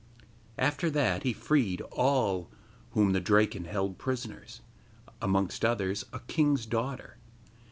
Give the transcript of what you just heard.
After that he freed all whom the Draken held prisoners, amongst others, a king's daughter.